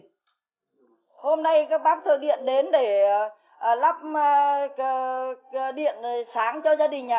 hôm nay các bác thượng điện đến để lắp điện sáng cho gia đình ạ